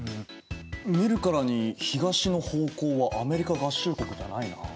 見るからに東の方向はアメリカ合衆国じゃないなあ。